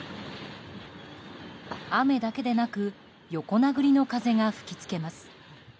雨だけでなく横殴りの風が吹きつけます。